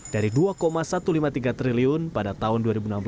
dari dua satu ratus lima puluh tiga triliun pada tahun dua ribu enam belas